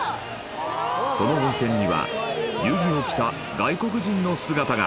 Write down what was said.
その温泉には湯着を着た外国人の姿が。